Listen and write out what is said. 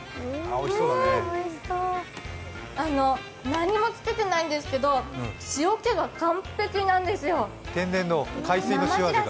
何もつけてないんですけど、塩気が完璧なんですよ。